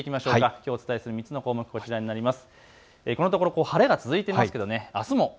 きょうお伝えする３つの項目、こちらになります。